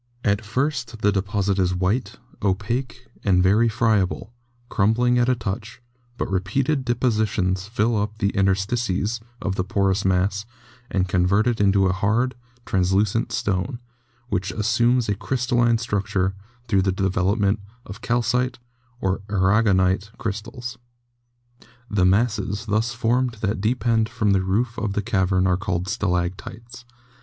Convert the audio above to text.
At first, the deposit is white, opaque, and very friable, crum bling at a touch, but repeated depositions fill up the inter stices of the porous mass and convert it into a hard, translucent stone, which assumes a crystalline structure through the development of calcite or aragonite crystals. The masses thus formed that depend from the roof of the cavern are called stalactites.